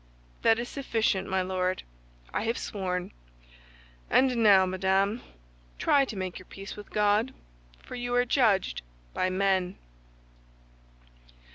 "That is sufficient, my Lord! I have sworn." "And now, madame, try to make your peace with God, for you are judged by men!"